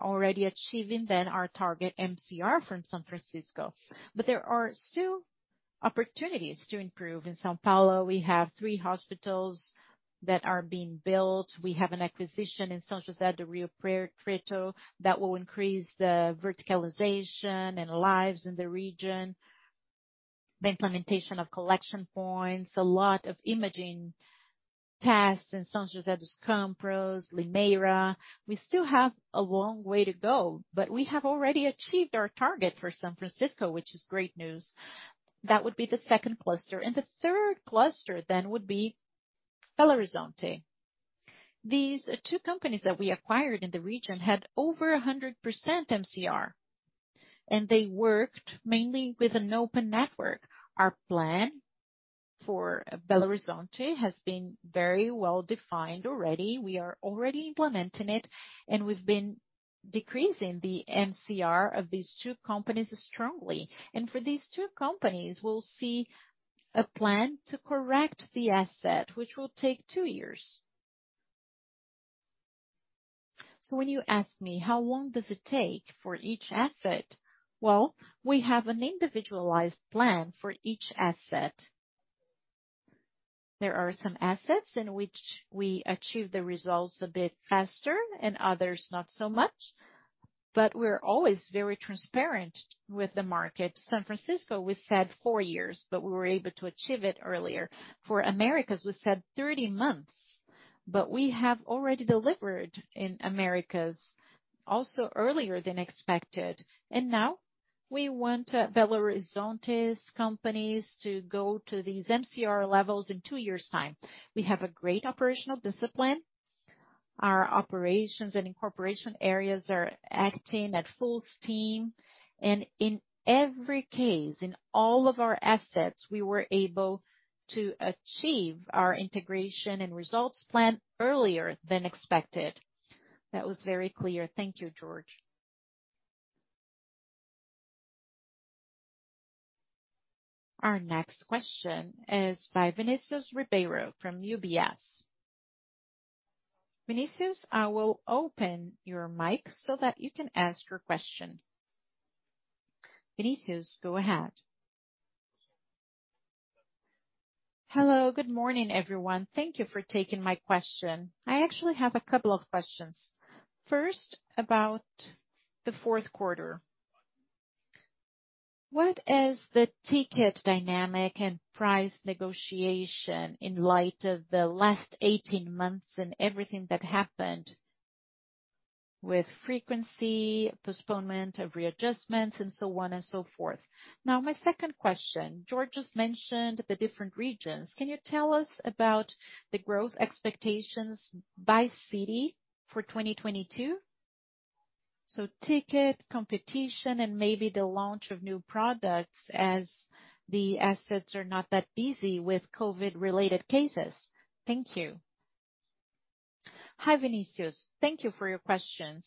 S2: already achieving then our target MCR for São Francisco. There are still opportunities to improve. In São Paulo, we have three hospitals that are being built. We have an acquisition in São José do Rio Preto that will increase the verticalization and lives in the region. The implementation of collection points, a lot of imaging tests in São José dos Campos, Limeira. We still have a long way to go, but we have already achieved our target for São Francisco, which is great news. That would be the second cluster. The third cluster then would be Belo Horizonte. These two companies that we acquired in the region had over 100% MCR, and they worked mainly with an open network. Our plan for Belo Horizonte has been very well defined already. We are already implementing it, and we've been decreasing the MCR of these two companies strongly. For these two companies, we'll see a plan to correct the asset, which will take two years. When you ask me, how long does it take for each asset? Well, we have an individualized plan for each asset. There are some assets in which we achieve the results a bit faster and others, not so much, but we're always very transparent with the market. São Francisco, we said four years, but we were able to achieve it earlier. For América, we said 30 months, but we have already delivered in América also earlier than expected. Now we want Belo Horizonte's companies to go to these MCR levels in two years time. We have a great operational discipline. Our operations and incorporation areas are acting at full steam. In every case, in all of our assets, we were able to achieve our integration and results plan earlier than expected.
S6: That was very clear. Thank you, Jorge.
S1: Our next question is by Vinicius Ribeiro from UBS. Vinicius, I will open your mic so that you can ask your question. Vinicius, go ahead.
S7: Hello. Good morning, everyone. Thank you for taking my question. I actually have a couple of questions. First, about the fourth quarter. What is the ticket dynamic and price negotiation in light of the last 18 months and everything that happened with frequency, postponement of readjustments and so on and so forth? Now, my second question. Jorge just mentioned the different regions. Can you tell us about the growth expectations by city for 2022? Ticket competition and maybe the launch of new products as the assets are not that busy with COVID related cases. Thank you.
S2: Hi, Vinicius. Thank you for your questions.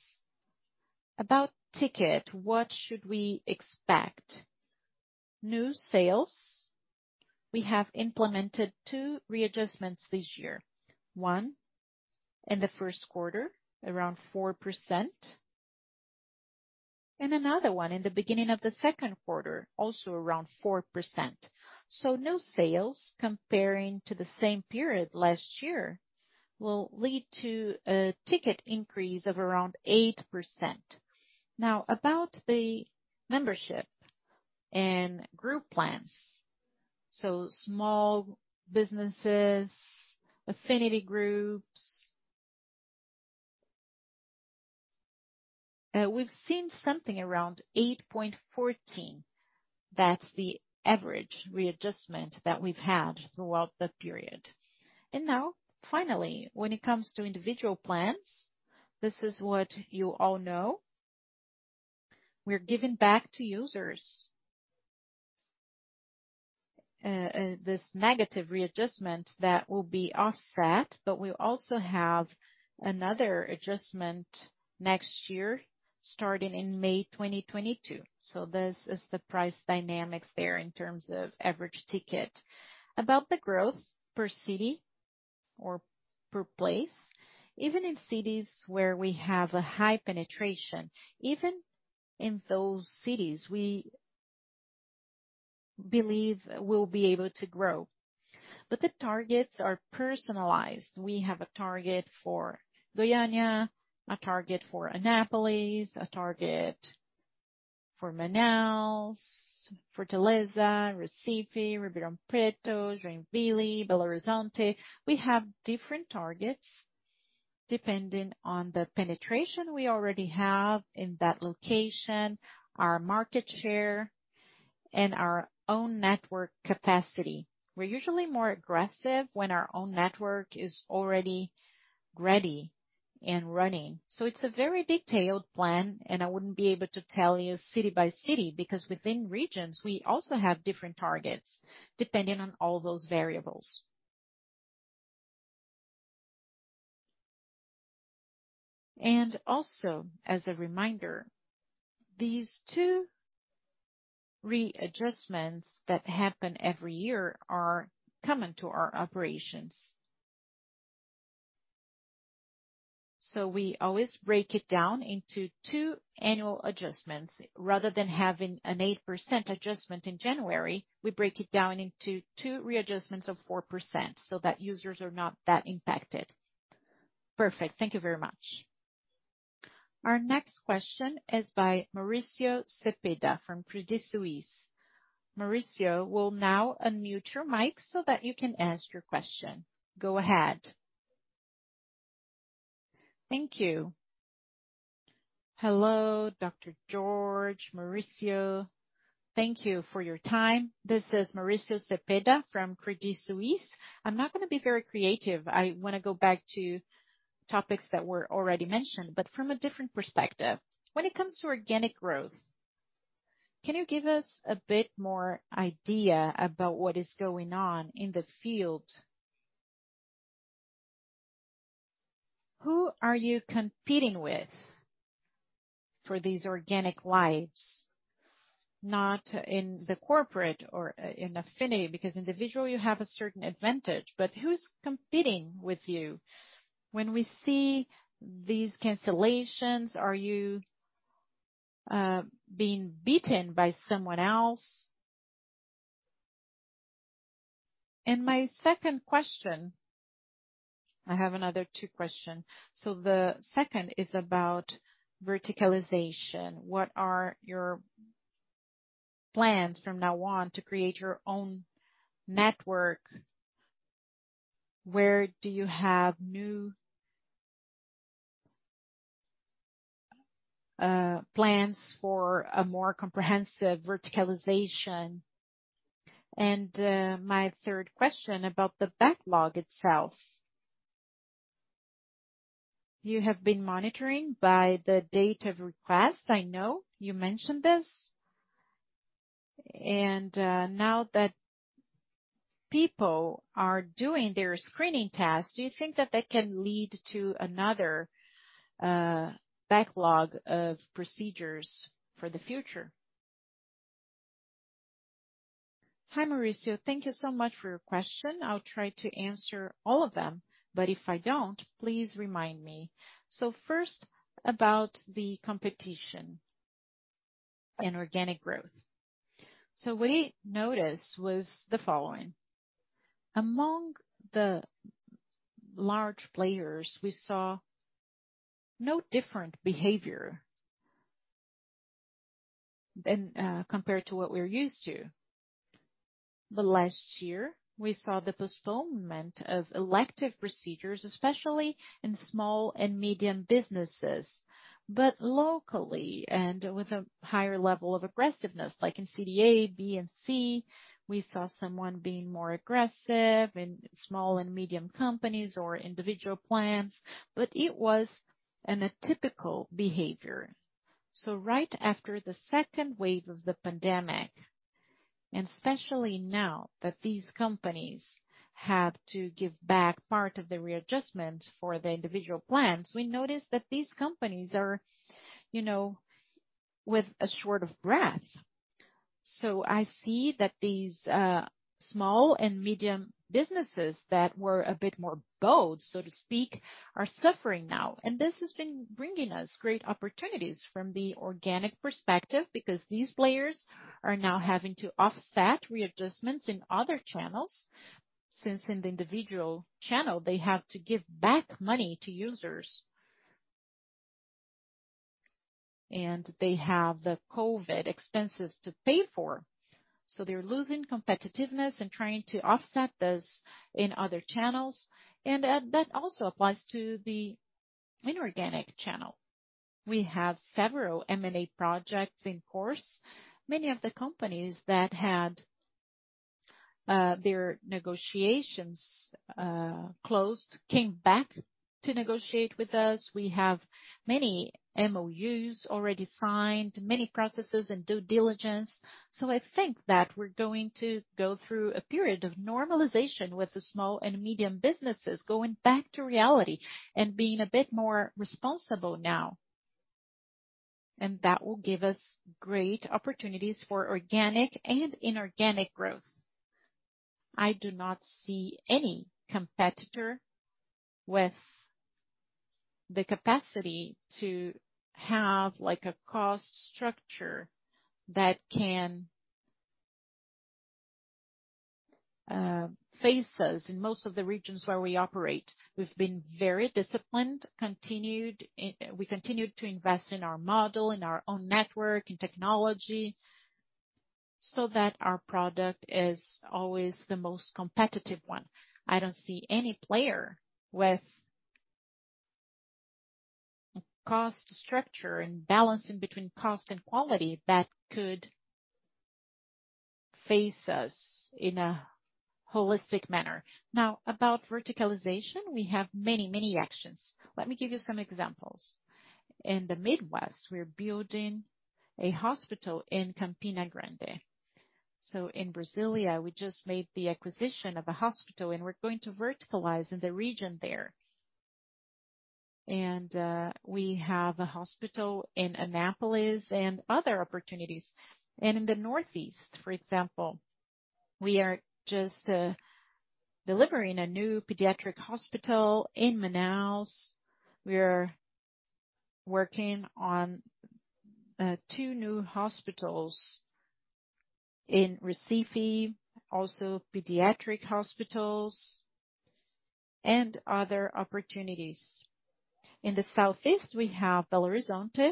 S2: About ticket, what should we expect? New sales. We have implemented two readjustments this year. One in the first quarter, around 4%, and another one in the beginning of the second quarter, also around 4%. So new sales comparing to the same period last year will lead to a ticket increase of around 8%. Now, about the membership and group plans. Small businesses, affinity groups. We've seen something around 8.14%. That's the average readjustment that we've had throughout the period. Now, finally, when it comes to individual plans, this is what you all know. We're giving back to users this negative readjustment that will be offset, but we also have another adjustment next year starting in May 2022. This is the price dynamics there in terms of average ticket. About the growth per city or per place. Even in cities where we have a high penetration, even in those cities, we believe we'll be able to grow. The targets are personalized. We have a target for Goiânia, a target for Anápolis, a target for Manaus, Fortaleza, Recife, Ribeirão Preto, Joinville, Belo Horizonte. We have different targets depending on the penetration we already have in that location, our market share, and our own network capacity. We're usually more aggressive when our own network is already ready and running. It's a very detailed plan, and I wouldn't be able to tell you city by city, because within regions we also have different targets depending on all those variables. Also, as a reminder, these two readjustments that happen every year are common to our operations. We always break it down into two annual adjustments. Rather than having an 8% adjustment in January, we break it down into two readjustments of 4% so that users are not that impacted.
S7: Perfect. Thank you very much.
S1: Our next question is by Maurício Cepeda from Credit Suisse. Maurício, we'll now unmute your mic so that you can ask your question. Go ahead.
S8: Thank you. Hello, Dr. Jorge, Maurício. Thank you for your time. This is Maurício Cepeda from Credit Suisse. I'm not gonna be very creative. I wanna go back to topics that were already mentioned, but from a different perspective. When it comes to organic growth, can you give us a bit more idea about what is going on in the field? Who are you competing with for these organic lives? Not in the corporate or in affinity, because individually, you have a certain advantage, but who's competing with you? When we see these cancellations, are you being beaten by someone else? My second question. I have another two question. The second is about verticalization. What are your plans from now on to create your own network? Where do you have new plans for a more comprehensive verticalization? My third question about the backlog itself. You have been monitoring by the date of request, I know. You mentioned this. Now that people are doing their screening tests, do you think that can lead to another backlog of procedures for the future?
S2: Hi, Maurício. Thank you so much for your question. I'll try to answer all of them, but if I don't, please remind me. First about the competition and organic growth. What we noticed was the following. Among the large players, we saw no different behavior than compared to what we're used to. Last year we saw the postponement of elective procedures, especially in small and medium businesses, but locally and with a higher level of aggressiveness. Like in CDA, B and C, we saw someone being more aggressive in small and medium companies or individual plans, but it was an atypical behavior. Right after the second wave of the pandemic, and especially now that these companies have to give back part of the readjustment for the individual plans, we noticed that these companies are, you know, with a short of breath. I see that these small and medium businesses that were a bit more bold, so to speak, are suffering now. This has been bringing us great opportunities from the organic perspective because these players are now having to offset readjustments in other channels since in the individual channel they have to give back money to users. They have the COVID expenses to pay for. They're losing competitiveness and trying to offset this in other channels. That also applies to the inorganic channel. We have several M&A projects in course. Many of the companies that had their negotiations closed came back to negotiate with us. We have many MOUs already signed, many processes and due diligence. I think that we're going to go through a period of normalization with the small and medium businesses going back to reality and being a bit more responsible now. That will give us great opportunities for organic and inorganic growth. I do not see any competitor with the capacity to have like a cost structure that can face us in most of the regions where we operate. We've been very disciplined. We continued to invest in our model, in our own network, in technology, so that our product is always the most competitive one. I don't see any player with cost structure and balancing between cost and quality that could face us in a holistic manner. Now, about verticalization, we have many, many actions. Let me give you some examples. In the Midwest, we're building a hospital in Campina Grande. In Brasília, we just made the acquisition of a hospital, and we're going to verticalize in the region there. We have a hospital in Anápolis and other opportunities. In the Northeast, for example, we are just delivering a new pediatric hospital in Manaus. We are working on two new hospitals in Recife, also pediatric hospitals and other opportunities. In the Southeast, we have Belo Horizonte,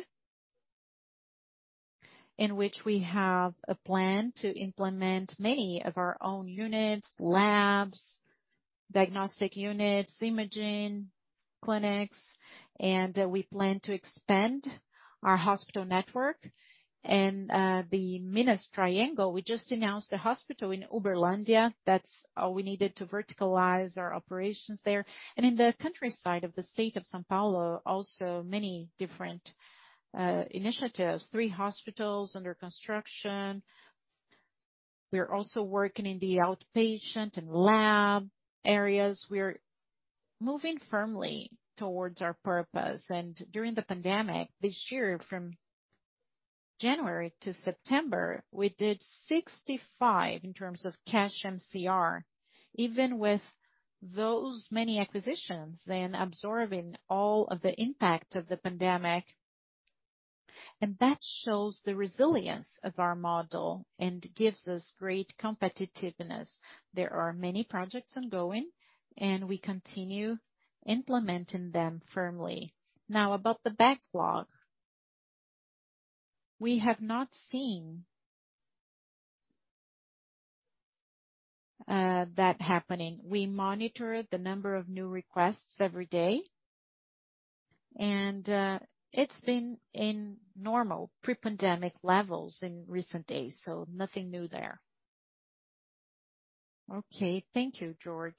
S2: in which we have a plan to implement many of our own units, labs, diagnostic units, imaging clinics, and we plan to expand our hospital network. The Minas Triangle, we just announced a hospital in Uberlândia. That's all we needed to verticalize our operations there. In the countryside of the state of São Paulo, also many different initiatives. Three hospitals under construction. We are also working in the outpatient and lab areas. We are moving firmly towards our purpose. During the pandemic this year, from January to September, we did 65 in terms of cash MCR, even with those many acquisitions, then absorbing all of the impact of the pandemic. That shows the resilience of our model and gives us great competitiveness. There are many projects ongoing, and we continue implementing them firmly. Now, about the backlog. We have not seen that happening. We monitor the number of new requests every day, and it's been in normal pre-pandemic levels in recent days. Nothing new there.
S8: Okay. Thank you, Jorge.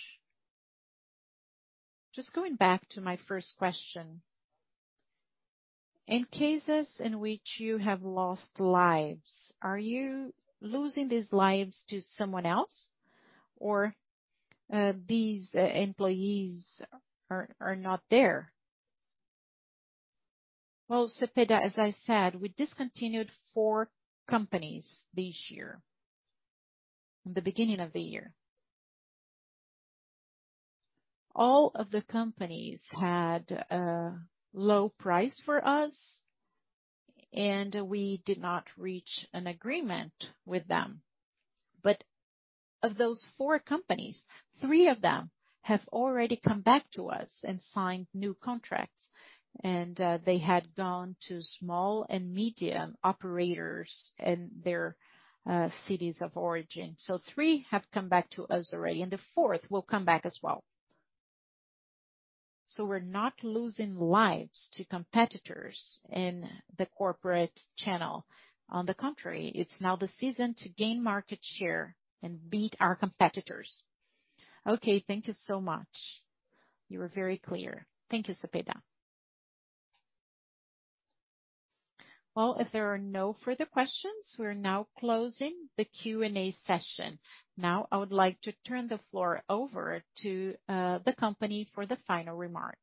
S8: Just going back to my first question. In cases in which you have lost lives, are you losing these lives to someone else or these employees are not there?
S2: Well, Cepeda, as I said, we discontinued four companies this year, in the beginning of the year. All of the companies had a low price for us, and we did not reach an agreement with them. But, of those four companies, three of them have already come back to us and signed new contracts, and they had gone to small and medium operators in their cities of origin. So three have come back to us already, and the fourth will come back as well. We're not losing lives to competitors in the corporate channel. On the contrary, it's now the season to gain market share and beat our competitors.
S8: Okay. Thank you so much. You were very clear.
S2: Thank you, Cepeda.
S1: Well, if there are no further questions, we're now closing the Q&A session. Now, I would like to turn the floor over to the company for the final remarks.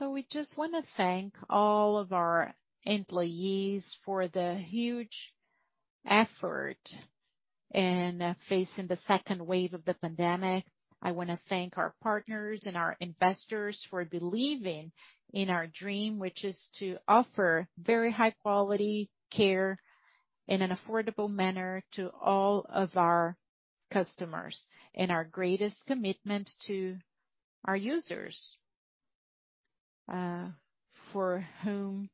S2: We just wanna thank all of our employees for the huge effort in facing the second wave of the pandemic. I wanna thank our partners and our investors for believing in our dream, which is to offer very high quality care in an affordable manner to all of our customers, and our greatest commitment to our users for whom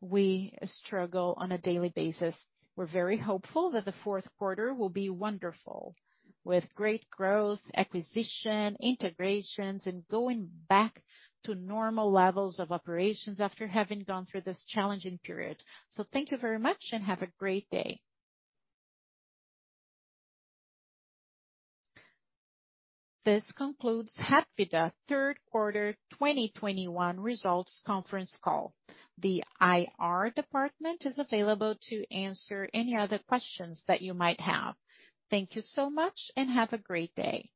S2: we struggle on a daily basis. We're very hopeful that the fourth quarter will be wonderful, with great growth, acquisition, integrations, and going back to normal levels of operations after having gone through this challenging period. Thank you very much and have a great day.
S1: This concludes Hapvida Q3 2021 results conference call. The IR department is available to answer any other questions that you might have. Thank you so much and have a great day.